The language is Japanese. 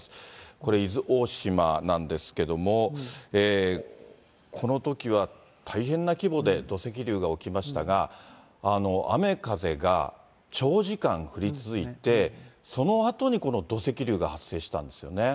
これ、伊豆大島なんですけれども、このときは、大変な規模で土石流が起きましたが、雨風が長時間降り続いて、そのあとにこの土石流が発生したんですよね。